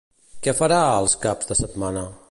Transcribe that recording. Què farà els caps de setmana?